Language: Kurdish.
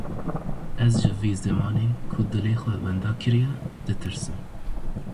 Ez ji vî zemanê ku dilê xwe wenda kiriye, ditirsim.